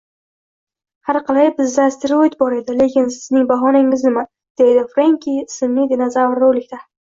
Harqalay bizda asteroid bor edi, lekin sizning bahonangiz nima? ”— deydi Frenki ismli dinozavr rolikda